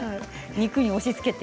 肉に押しつけて。